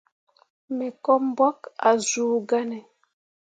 Me ko mbwakke ah zuu gahne.